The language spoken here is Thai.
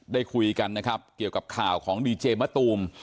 ได้คุยกันนะครับเกี่ยวกับข่าวของดีเจมะตูม